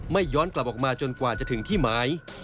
ย้อนกลับออกมาจนกว่าจะถึงที่หมาย